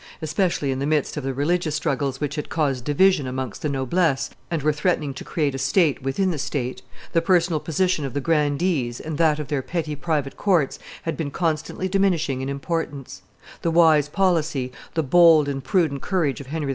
especially, in the midst of the religious struggles which had caused division amongst the noblesse and were threatening to create a state within the state, the personal position of the grandees, and that of their petty private courts, had been constantly diminishing in importance; the wise policy, the bold and prudent courage of Henry IV.